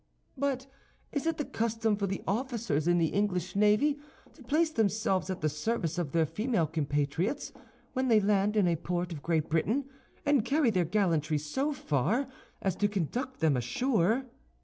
"But is it the custom for the officers in the English navy to place themselves at the service of their female compatriots when they land in a port of Great Britain, and carry their gallantry so far as to conduct them ashore?"